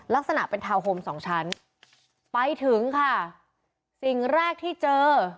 ลักษณะเป็นทาวน์โฮมสองชั้นไปถึงค่ะสิ่งแรกที่เจอ